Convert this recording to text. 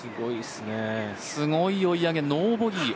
すごい追い上げ、ノーボギー。